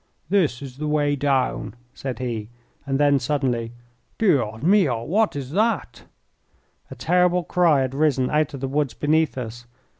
"This is the way down," said he, and then, suddenly, "Dios mio, what is that?" A terrible cry had risen out of the woods beneath us.